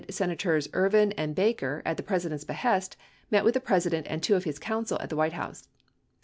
Senators Ervin and Baker, at the President's behest, met with the President and two of his counsel at the White House.